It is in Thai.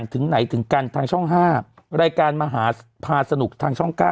ทางช่อง๕รายการมาหาพาสนุกทางช่อง๙